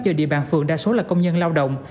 do địa bàn phường đa số là công nhân lao động